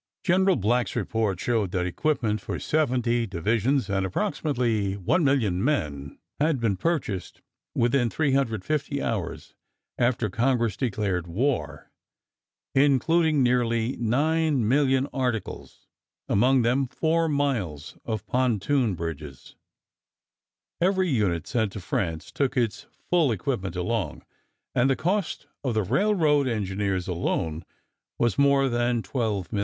General Black's report showed that equipment for 70 divisions, or approximately 1,000,000 men, had been purchased within 350 hours after Congress declared war, including nearly 9,000,000 articles, among them 4 miles of pontoon bridges. Every unit sent to France took its full equipment along, and the cost of the "railroad engineers" alone was more than $12,000,000.